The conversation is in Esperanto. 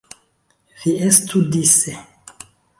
Vi estu dise.